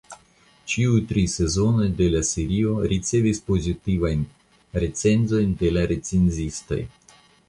Ĉiuj tri sezonoj de la serio ricevis pozitivajn recenzojn de recenzistoj.